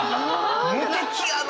無敵やな！